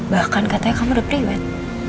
bahkan katanya kamu udah priwet